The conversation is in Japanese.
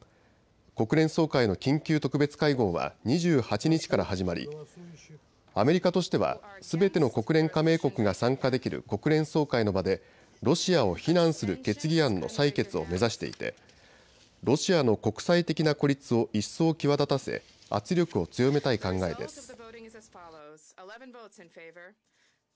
国連総会の緊急特別会合は２８日から始まりアメリカとしてはすべての国連加盟国が参加できる国連総会の場でロシアを非難する決議案の採決を目指していてロシアの国際的な孤立を一層際立たせ圧力を強めたい考えです。